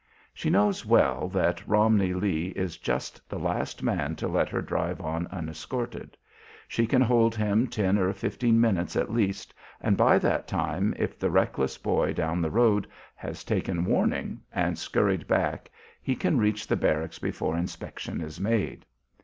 She knows well that Romney Lee is just the last man to let her drive on unescorted. She can hold him ten or fifteen minutes, at least, and by that time if the reckless boy down the road has taken warning and scurried back he can reach the barracks before inspection is made.